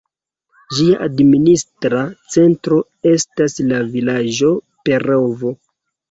Ĝia administra centro estas la vilaĝo Perovo.